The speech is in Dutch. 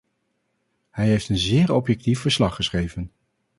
Hij heeft een zeer objectief verslag geschreven.